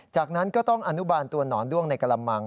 จากนั้นก็ต้องอนุบาลตัวหนอนด้วงในกระมัง